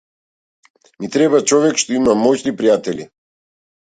Ми треба човек што има моќни пријатели.